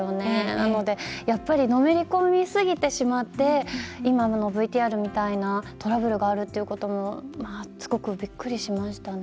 なのでのめり込みすぎてしまって今のＶＴＲみたいなトラブルがあるということもすごく、びっくりしましたね。